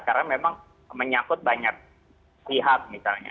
karena memang mencakup banyak pihak misalnya